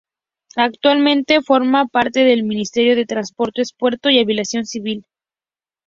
Actualmente forma parte del Ministerio de Transportes, Puertos y Aviación Civil.